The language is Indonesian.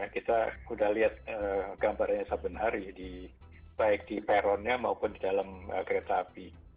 kita sudah lihat gambarannya satu hari baik di peronnya maupun di dalam kereta api